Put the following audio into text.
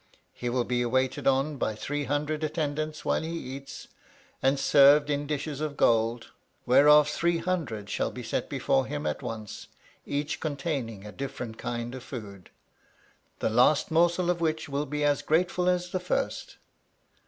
He will be waited on by three hundred attendants while he eats, and served in dishes of gold, whereof three hundred shall be set before him at once, each containing a different kind of food, "the last morsel of which will be as grateful as the first."